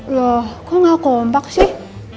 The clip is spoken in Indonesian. loh kok gak kompak sih